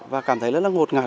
và cảm thấy khô mơ ngột ngạt